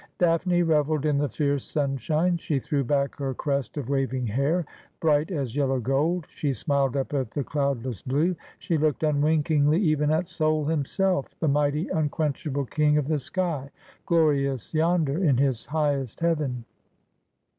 Daphne revelled in the fierce sunshine — she threw back her crest of waving hair, bright as yellow gold, she smiled up at the cloudless blue, she looked unwinkingly even at Sol himself, the mighty unquenchable king of the sky, glorious yonder in his highest heaven.